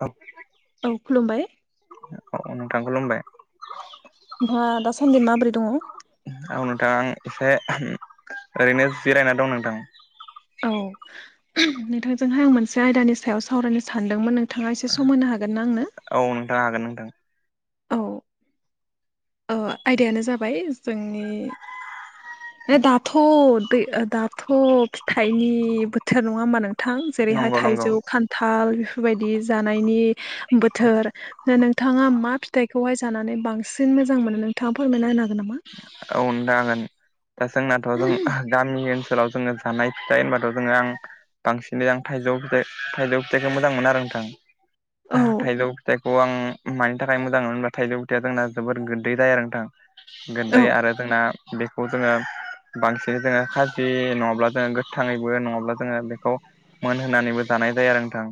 औ। औ खुलुमबाय। अ नोंथां खुलुमबाय। [unintelligible] दासान्दि माबोरै दङ? औ नोंथां आं एसे [unintelligible] ओरैनो जिरायना दं नोंथां। औ नोंथांजोंहा आं मोनसे आयदानि सायाव सावरायनो सानदोंमोन नों थाङा एसे सम होनो हागोन ना आंनो? औ नोंथाङा हागोन नोंथां। औ। अ आयदायानो जाबाय जोंनि ए दाथ दै ओ दाथ फिथाइनि बोथोर नङा होमबा नों थां जेरैहाय नंगौ नंगौ थाइजौ खान्थाल बेफोरबायदि जानायनि बोथोर [unintelligible] नोंथाङा मा फिथाइखौहाय जानानै बांसिन मोजां मोनो नोंथाङा फोरमायना होनो हागोन नामा? औ नोंथां हागोन। दा जोंनाथ' जों गामि ओनसोलाव जोङो जानाय फिथाइ होनबाथ' जोङो आं बांसिनै आं थाइजौ फिथाइ थाइजौ फिथाइखौ मोजां मोनो आरो नोंथां औ थाइजौ फिथाइ अ आं मानि थाखाय मोजां [unintelligible] बा थाइजौ गुथाइया जोंना जोबोर गो [unintelligible] दै जाया आरो नोंथां। औ गोददै आरो जोंना बेखौ जोङो बांसिनै जोङो खाजि नङाब्ला जोङो गोथाङैबो नङाब्ला जोङो बेखौ मोन होननानैबो जानाय जायो आरो नोंथां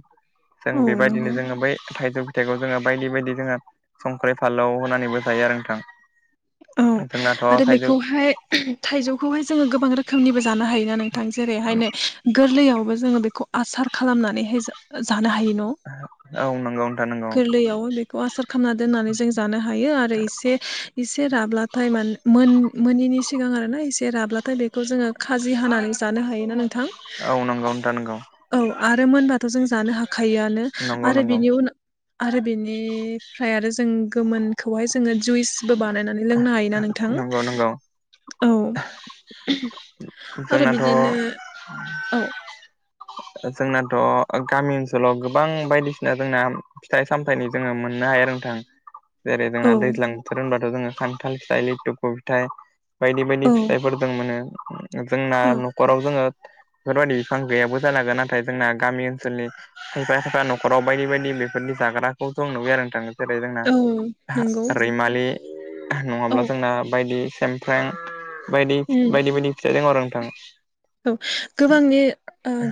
जों औ नंगौ बेबायदिनो जोङो बै थाइजौ फिथाइखौ जोङो बायदि बायदि जोङो संख्रि फालाव होनानैबो जायो आरो नोंथां। औ जोंनाथ' आरो थाइजौ बेखौहाय थाइजौखौहाय जोङो गोबां रोखोमनिबो जानो हायोना नोंथां जेरैहायनो गोरलैयावबो जोङो बेखौ आसार खालामनानैहाय जा जानो हायो न' औ नंगौ नोंथां नंगौ गोरलैयाव बेखौ आसार खामना दोननानै जों जानो हायो आरो इसे इस एसे राब्लाथाय मान मोन मोननिनि सिगां आरो ना एसे राब्लाथाय बे खौ जोङो खाजि हानानै जानो हायोना नोंथां। औ नंगौ नोंथां नंगौ औ आरो मोनबाथ' जों जानो हाखायोआनो नंगौ आरो नंगौ बिनि उनाव आरो बेनिफ्राय आरो जों गोमोनखौहाय जोङो जुइसबो बा लोंनो हायोना नोंथां नंगौ नंगौ औ। आरो जोंनाथ' बिदिनो औ जोंनाथ' गामि ओनसोलाव गोबां बायदिसिना जोंना फिथाइ सामथायाइनि जोङो मोननो हाया नोंथां। जेरै जोंना औ दैज्लां बोथोर होनबाथ' जोङो खान्थाल फिथाइ लिथुखु फिथाय बायदि बायदि औ फिथाइफोर जों मोनो जोंना औ न'खराव जोङो बेफोरबायदि बिफां गैयाबो जानो हागौ‌ नाथाय जोंना गामि ओनसोलनि खायफा खायफा न'खराव बायदि बायदि बेफोरनि जाग्राखौ जों नुयो आरो नोंथां। जेरै जोंना औ नंगौ रैमालि नङाब्ला औ जोंना बायदि सेमफ्रें बायदि उम बायदि बायदि फिथाइ दङ आरो नोंथां। औ गोबांनि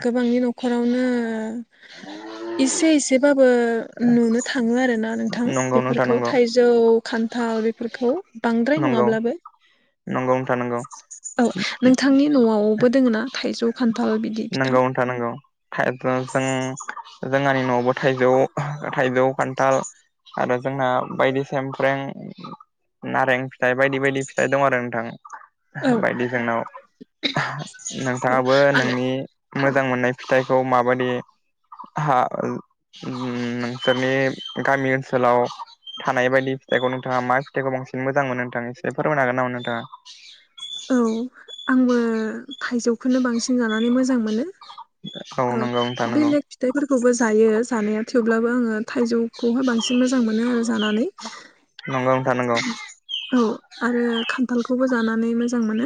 गोबांनि न'खरावनो [inaudible] एसे इसेबाबो नुनो थाङो आरोना नोंथां नंगौ नोंथां बेफोरखौ नंगौ थाइजौ खान्थाल बेफोरखौ बांद्राय नंगौ नङाब्लाबो नंगौ नोंथां नों औ नोंथांनि न'आवबो दोङो ना थाइजौ खान्थाल बिदि बिथां थानांगौ खाय जों जोंहानि न'आवबो थाइजौ थाइजौ खान्थाल आरो जोंना बायदि सेमफ्रें नारें फिथाइ बायदि बायदि फिथाइ फिथाइ दं आरो नोंथां। औ बायदि जोंनाव औ नोंथाङाबो आरो नोंनि खान मोजां मोननाय फिथाइखौ माबायदि हा नोंसोरनि गामि ओनसोलाव थानाय बायदि फिथाइखौ नोंथाङा मा फिथाइखौ बांसिन मोजां मोनो नोंथाङा एसे फोरमायनो हागोन नामा नोंथाङा? औ आंबो थाइजौखौनो बांसिन जानानै मोजां मोनो। ओ नामा नोंथाङा औ बेलेग फिथाइफोरखौबो जायो जानाया थेवब्लाबो आङो थाइजौ खौहाय बांसिन मोजां मोनो आरो जानानै। नोंगौ नोंथां नोंगौ औ आरो खान्थालखौबो जानानै मोजां मोनो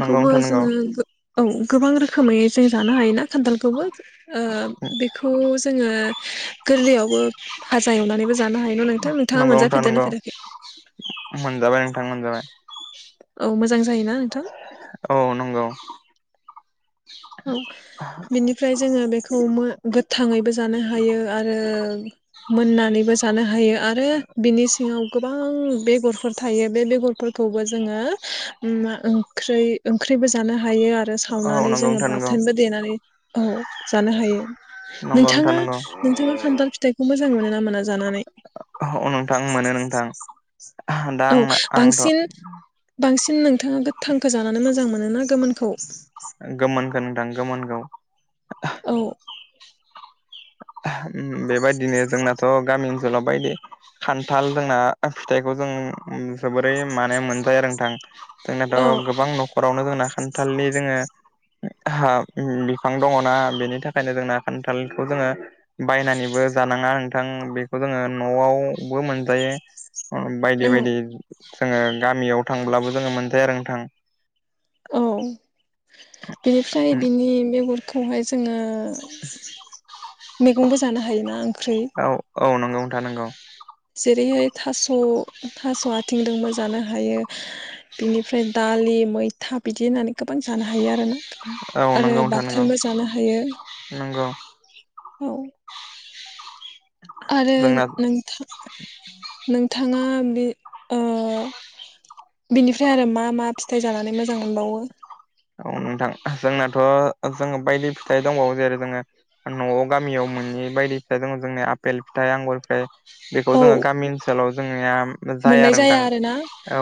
नंगौ नोंथां नंगौ नोंथां नंगौ जोङो औ गोबां रोखोमै जों जानो हायोना खान्थालखौबो ओ बेखौ जोङो गोरलैयावबो भाजा एवनानैबो जानो हाय न' नोंथां नोंथाङा नंगौ नोंथां मोनजाफेरदेरना नंगौ फेराखै? मोनजाबाय नोंथां मोनजाबाय। औ मोजां जायोना नोंथां? औ नंगौ। औ बिनिफ्राय जोङो बेखौ मो गोथाङैबो जानो हायो आरो मोननानैबो जानो हायो आरो बिनि सिङाव गोबां बेगरफोर थायो बे बेगर फोरखौबो जोङो ओंख्रै ओंख्रिबो जानो हायो आरो औ सावनानै नंगौ जोङो नोंथां नंगौ बाथोनबो देनानै औ जानो हायो नंगौ नोंथां नोंथाङा नंगौ नोंथाङा खान्थाल फिथाइ मोजां मोनो ना मोना जानानै? अ नोंथां मोनो नोंथां। दा औ आं आंथ' बांसिन बांसिन नोंथाङा गोथांखौ जानानै मोजां मोन ना गोमोनखौ? गोमोनखौ नोंथां गोमोनखौ औ। बेबायदिनो जोंनाथ' गामि ओनसोलाव बायदि खान्थाल जोंना फिथाइखौ जों जोबोरै माने मोनजायो आरो नोंथां। औ जोंनाथ' गोबां न'खरावनो जोंना खान्थालनि जोङो हा बिफां दङनाा बेनि थाखायनो जोंना खान्थालखौ जोङो बायनानैबो जानाङा नोंथां बेखौ जोङो न'आवबो मोनजायो। बायदि औ बायदि जोङो गामियाव थांब्लाबो जोङो मोनजाया आरो नोंथां। औ बिनिफ्राय बिनि बेगर खौहाय जोङो मैगंबो जानो हायोना ओंख्रि औ औ नंगौ नोंथां नोंगौ जेरैहाय थास' थास' आथिंजोंबो जानो हायो बिनिफ्राय दालि मैथा बिदि होननानै गोबां जानो हायो आरोना। औ आरो नंगौ नोंथां नंगौ बाथोनबो जानो हायो नंगौ औ। आरो जोंना नोंथा नोंथाङा बे ओ बिनिफ्राय आरो मा मा फिथाइ जानानै मोजां मोनबावो। औ नोंथां जोंनाथ' जोङो बायदि फिथाइ दंबावो जेरै जोङो न'आव गामियाव मोनि बायदि फिथाइ दङ जोंनि आफपेल फिथाइ आंगुरनिफ्राय बेखौ औ जोङो गामि ओनसोलाव जोंनिया जाया मोननाय आरो नथां। आरोना औ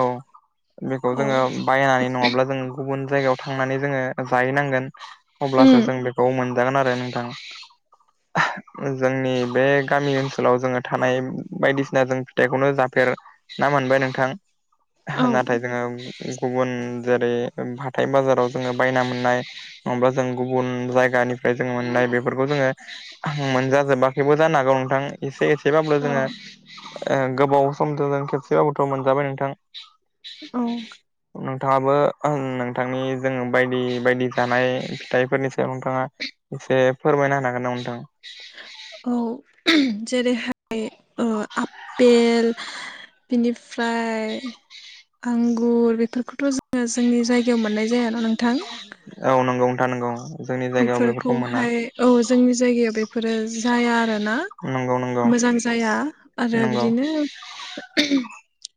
बेखौ औ जोङो बायनानै नङाब्ला जोङो गुबुन जायगायाव थांनानै जोङो जाहैनांगोन अब्लासो उम जों बेखौ मोन जागोन आरो नथां। [inaudible] जोंनि बे गामि ओनसोलाव जोङो थानाय बायदिसिना जों फिथाइखौनो जाफेर ना मोनबाय नोंथां औ नाथाय जोङो गुबुन जेरै थाय बाजाराव जोङो बायना मोननाय नङाबा जों गुबुन जायगानिफ्राय जों मोननाय बेफोरखौ जोङो मोनजाजोबाखैबो जानो हागौ नोंथां। एसे एसेबाबो औ जोङो ओ गोबाव समजों जों खेबसेबाबोथ' मोनजाबाय नोंथां। औ। नोंथाङाबो नोंथांनि जोङो बायदि बायदि जानाय फिथाइफोरनि स सायाव नोंथाङा एसे फोरमायना हागोन ना नोंथा? औ जेरैहाय ओ आपेल बिनिफ्राय आंगुर बेफोरखौथ' जो जोंनि जायगायाव मोननाय जायाना नोंथां। औ नंगौ नथा नगौ जोंनि जायगायाव बेफोरखौ मोना। बेफोरखौहाय औ जोंनि जायगायाव बेफोरो जाया आरो। ना नंगौ नंगौ मोजां जाया आरो नंगौ बिदिनो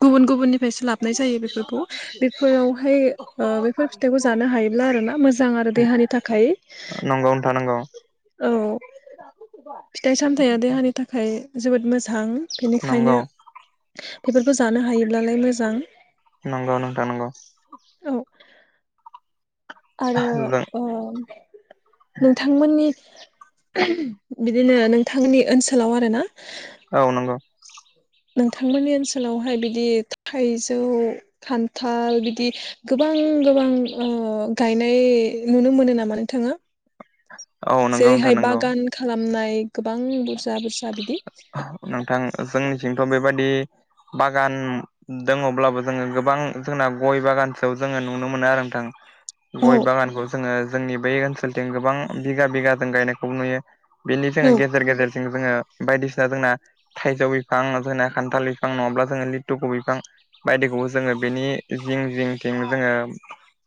गुबुन गुबुन निफ फायसो लाबनाय जायो बेफोरखौ बेफोरावहाय ओ बेफोर फिथाइखौ जानो हायोब्ला आर ना मोजां आरो देहानिफ थाखाय। नंगौनो थानांगौ। औ नि थाखाय जोबोद मोजां नंगौ बेनिखायनो बेफोरखौ जानो हायोब्लालाय मोजां। नंगौावनोा नांगौ। औ आरो जों ओ नोंथांमोननि बिदिनो नोंथांनि ओनसोलाव आरोना औ नंगौ। नोंथांमोननि ओनसोलावहाय बिदि थाइजौ खान्थाल बिदि गोबां गोबां ओ गायनाय नुनो मोनो नामा नोंथाङा? औ जे नंगौ नोंथां हाय नंगौ बागान खालामनाय गोबां बुरजा बुरजा बिदि नोंथां जोंनिथिंथ' बेबायाददि बागान दङब्लाबो जोङो गोबां जोंना गय बागानसोआव जोङो नुनो मोनो आरो नोंथां। औ गय बागानखौ जोङो जोंनि बै ओनसोलथिं गोबां बिगा बिगाजों गायनायखौबो नुयो। बेलि औ साया गेजेर गेजेरजों जोङो बायदिसिना जोंना थाइजौ बिफां जोंना खान्थाल बिफां नङाब्ला जोङो लिटुखु बिफां बायदिखौबो जोङो बेनि जिं जिं थिं जोङो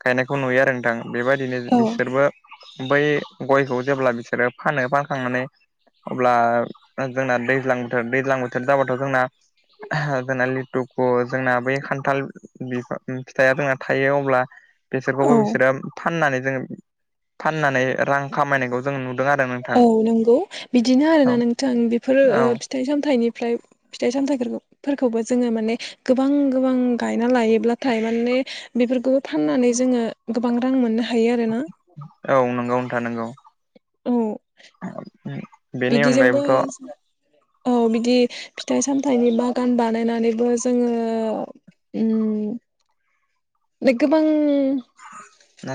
गायनायखौ नुयो आरो नोंथां। बेबायदिनो औ बिसोरबा बै गयखौ जेब्ला बिसोरो फानो फानखांनानै अब्ला ना जोंना दैज्लां बोथोर दैज्लां बोथोर जाबाथ' जोंना जोंना लिटुखु जोंना बै खान्थाल बिफां फिथाइया जोंना थायो अब्ला बेसोरखौबो औ बिसोरो फाननानै जों फाननानै रां खामायनायखौ जों नुदों आरो। नोंथां औ नंगौ बिदिनो आरोना औ नोंथां बेफोर औ ओ फिथाइ- सामथाइनिफ्राय फिथाइ - सामथाइफोरखौ फोरखौबो जोङो माने गोबां गोबां गायना लायोब्लाथाय माने बेफोरखौबो फाननानै जोङो गोबां रां मोननो हायो आरो ना। औ नंगौ नोंथा नंगौ। औ। बेनि अनगायैबोथ' बिदिजोंबो औ बिदि फिथाइ-सामथाइनि बागान बानायनानैबो जोङो ओम [inaudible] गोबां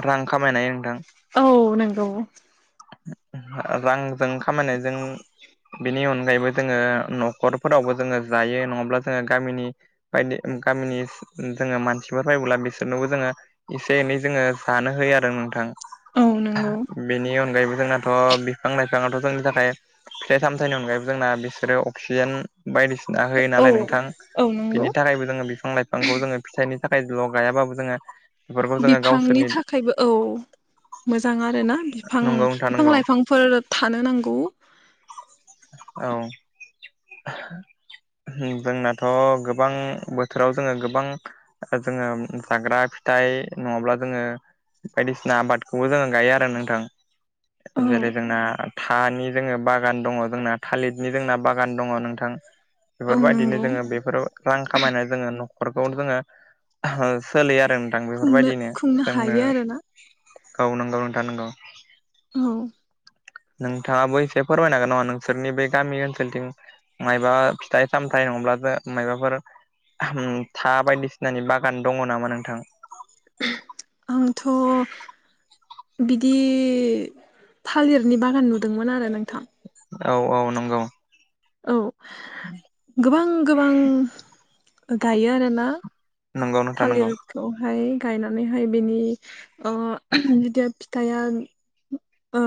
रां खामायनाय नोंथां। औ नंगौ। रांजों खामायनायजों बिनि अनगायैबो जोङो न'खरफोरावबो जोङो जायो नङाब्ला जोङो गामिनि बायदि ओ गामिनि जोङो मानसिफोर फायबोला बिसोरनोबो जोङो एसे एनै जोङो जानो होयो आरो नोंथां औ नंगौ बेनि अन जोंनाथ' बिफां-लाइफांआाथ' जोंनि थाखाय फिथाइ - सामथाइनि अनगायैबो जोंना बिसोरो अक्सिजेन बायदिसिना होयो औ नालाय नोंथां औ नंगौ बिनि थाखायबो जोङो बिफां-लाइफांखौ जोङो फिथाइनि थाखायल' गायाबाबो जोङो बेफोरखौ जोङो बिफांनि गावसोरनि थाखायबो औ मोजां आरोना। बिफां नंगौ नोंथां बिफां नंगौ लाइफांफोर थानो नांगौ। औ। जोंनाथ' गोबां बोथोराव जोङो गोबां जोङो जाग्रा फिथाइ नङाब्ला जोङो बायदिसिना आबादखौबो जोङो गायो आरो नोंथां। औ जेरै -जोंना थानि जोङो बागान दङ जोंना थालिरनि जोंना बागान बागान दङ नोंथां औ बेफोरबायदिनो नंगौ जोङो बेफोर रां खामायना जोङो नखरखौ जोङो सोलियो आरो नोंथां खुंनो बेफोरबायदिनो खुंनो जोंनो हायो आरोना गावनो गावनो थानांगौ। औ। नोंथाङाबो एसे फोरमायनो हागोन नामा नोंसोरनि बे गामि ओनसोलथिं मायबा फिथाइ-सामथाइ नङाब्ला जो मायबाफोर था बायदिसिनानि बागान दङ नामा नोंथां। आंथ' बिदि थालिरनि बागान नुदोंमोन आरो नोंथां। औ औ नंगौ। औ गोबां गोबां गायो आरोना। नंगौ नोंथां थालिर नंगौ खौहाय गायनानैहाय बेनि ओ जेतिया फिथाइया ओ।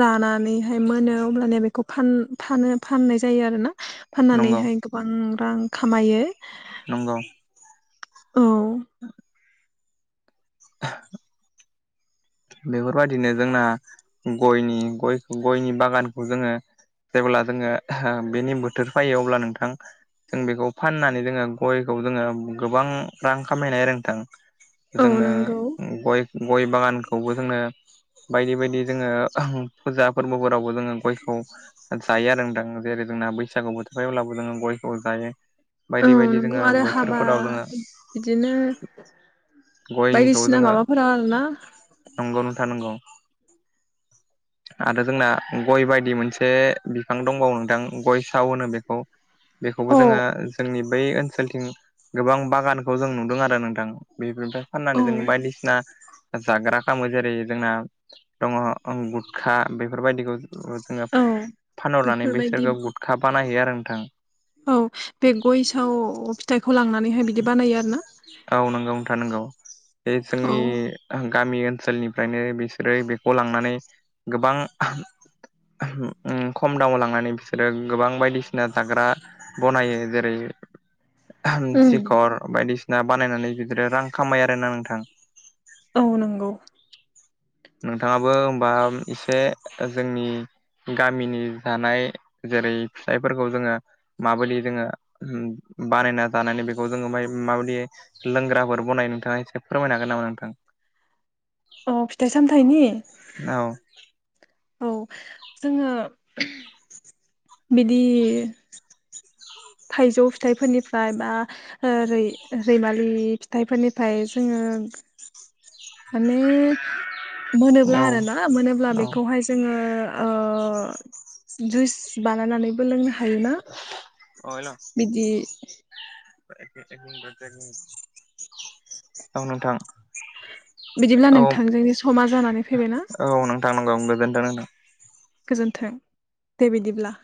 रानानैहाय मोनो अब्लानिया बेखौ फान फानो फाननाय जायो आरो ना। नंगौ फाननानैहाय गोबां रां खामायो। नंगौ औ [inaudible] बेफोरबायदिनो जोंना गयनि ग गयनि बागानखौ जोङो जेब्ला जोङो बेनि बोथोर फैयो अब्ला नोंथां जों बेखौ फाननानै जोङो गयखौ जोङो गोबां रां खामायनाय आरो नोंथां औ जोंनो नंगौ गय गय बागान खौबो जोङो बायदि बायदि जोङो फुजा फोरबोफोरावबो जोङो गयखौ जायो आरो दां जेरै जोंना बैसागु बोथोर फैब्लाबो जोङो गयखौ जायो। औ बायदि बायदि नंगौ जोङो आरो हाबा बोथोरफोराव जोङो बिदिनो गयनिखौ बायदिसिना जोङो माबाफोरा आरोना नंगौ नंथां नंगौ आरो जोंना गय बायदि मोनसे बिफां दंबावो नोंथां गय साव होनो बेखौ। बेखौबो औ जोङो जोंनि बै ओनसोलथिं गोबां बागानखौ जों नुदों आरो नोंथां। बेफोरनिफ्राय औ फाननानै जों बायदिसिना जाग्रा खालामो जेरै जोंना दङ गुटखा बेफोरबायदिखौ जोङो औ फानहरनानै बेफोरबायदि बैसोरो गु खाफा नायहैयो आरो नोंथां। औ बे गयसआव फिथाइखौ लांनानैहाय बिदि बानायो आरो ना। औ नोंगौ नोंथा नोंगौ बे औ जोंनि गामि ओनसोलनिफ्रायनो बिसोरो बेखौ लांनानै गोबां खम दामाव लांनानै बिसोरो गोबां बायदिसिना जाग्रा बनायो जेरै उम सिखर बायदिसिना बानायनानै बिदि रां खामायो आरोना नोंथां। औ नोंगौ नोंथाङाबो हबा एसे जोंनि गामिनि जानाय जेरै फिसाइफोरखौ जोङो माबायदि जोङो बानायना जानानै बेखौ जोङो माबायदि लोंग्राफोर बनाय नोंथाङा एसे फोरमायनो हागोन नामा नोंथां? औ फिथाइ सामथाइनि औ औ जोङो बिदि थाइजौ फिथाइफोरनिफ्राय बा रै -रैमालि फिथाइफोरनिफ्राय जोङो माने मोनोब्ला आरोना मोनोब्ला बे वहाय जोङो जुइस बानायनानैबो लोंनो हायोना अ बिदि औ नोंथां। बिदिब्ला औ नोंथां जोंनि समा जानानै फैबायना। औ नोंथां नोंगौ गोजोन्थों नोंथां। गोजोन्थों दे बिदिब्ला